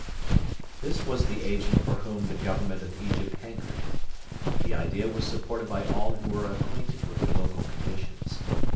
This was the agent for whom the Government of Egypt hankered. The idea was supported by all who were acquainted with the local conditions.